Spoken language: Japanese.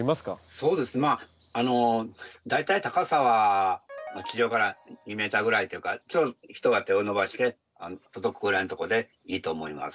そうですねまあ大体高さは地上から２ｍぐらいというかちょうど人が手を伸ばして届くぐらいのところでいいと思います。